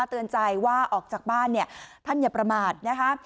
เตือนใจว่าออกจากบ้านเนี่ยท่านอย่าประมาทนะคะ